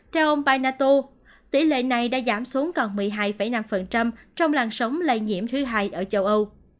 theo ông panato tỷ lệ này đã giảm xuống còn một mươi hai năm trong làn sóng lây nhiễm thứ hai ở châu âu